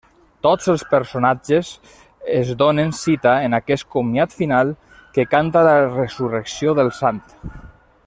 Tots els personatges es donen cita en aquest comiat final que canta la resurrecció del sant.